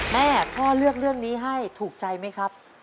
แม่พ่อเลือกเรื่องนี้ให้ถูกใจไหมครับ